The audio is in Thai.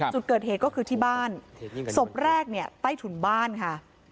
จุดเกิดเหตุก็คือที่บ้านศพแรกเนี่ยใต้ถุนบ้านค่ะ